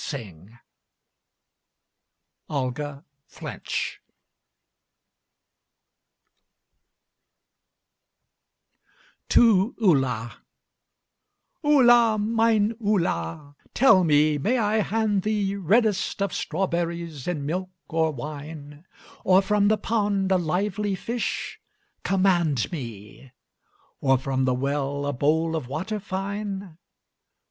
[Illustration: Signature: OLGA FLINCH] TO ULLA Ulla, mine Ulla, tell me, may I hand thee Reddest of strawberries in milk or wine? Or from the pond a lively fish? Command me! Or, from the well, a bowl of water fine?